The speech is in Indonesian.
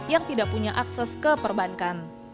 yang tidak punya akses ke perbankan